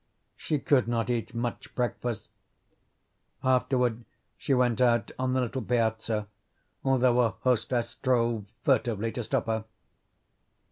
She could not eat much breakfast. Afterward she went out on the little piazza, although her hostess strove furtively to stop her.